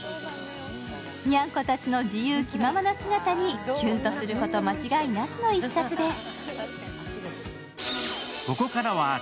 にゃんこたちの自由気ままな姿にキュンとすること間違いなしの一冊です。